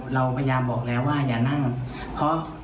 เราพยายามบอกแล้วว่าอย่านั่งเพราะ